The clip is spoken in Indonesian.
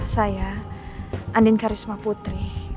saya andin karisma putri